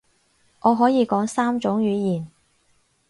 我可以講三種語言